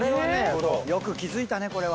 よく気付いたねこれは。